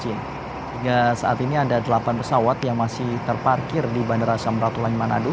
hingga saat ini ada delapan pesawat yang masih terparkir di bandara samratulangi manado